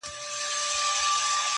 موج دي کم دریاب دي کم نهنګ دي کم--!